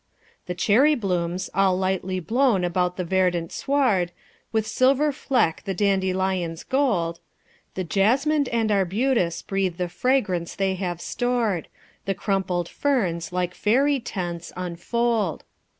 The cherry blooms, all lightly blown about the verdant sward, With silver fleck the dandelion's gold; The jasmine and arbutus breathe the fragrance they have stored; The crumpled ferns, like faery tents, unfold.